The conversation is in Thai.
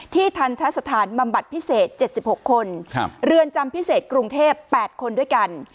ทันทะสถานบำบัดพิเศษ๗๖คนเรือนจำพิเศษกรุงเทพ๘คนด้วยกัน